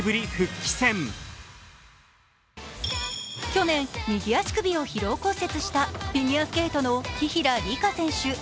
去年、右足首を疲労骨折したフィギュアスケートの紀平梨花選手。